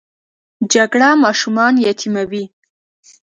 جګړه ماشومان یتیموي